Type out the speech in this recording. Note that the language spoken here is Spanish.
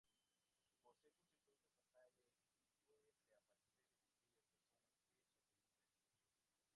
Posee consecuencias fatales, y puede reaparecer en aquellas personas que sobreviven.